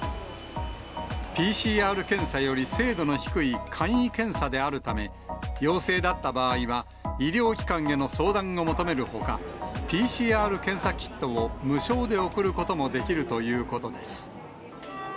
ＰＣＲ検査より精度の低い簡易検査であるため、陽性だった場合は医療機関への相談を求めるほか、ＰＣＲ検査キットを無償で送ることもできるということです。